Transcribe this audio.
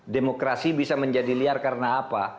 demokrasi bisa menjadi liar karena apa